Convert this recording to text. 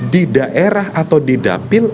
di daerah atau di dapil